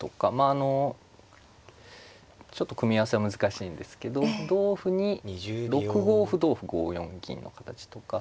あのちょっと組み合わせは難しいんですけど同歩に６五歩同歩５四銀の形とか。